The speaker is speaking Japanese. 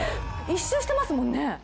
一周してますもんね。